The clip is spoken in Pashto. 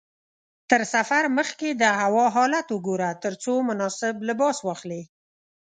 تر سفر مخکې د هوا حالت وګوره ترڅو مناسب لباس واخلې.